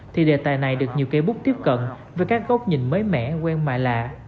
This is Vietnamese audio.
thì đề tài này được nhiều cây bút tiếp cận về các gốc nhìn mới mẻ quen mài lạ